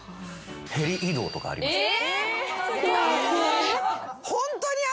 ヘリ移動とかありました。